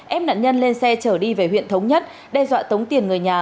ép nạn nhân lên xe chở đi về huyện thống nhất đe dọa tống tiền người nhà